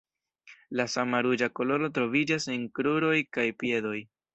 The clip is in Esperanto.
La sama ruĝa koloro troviĝas en kruroj kaj piedoj.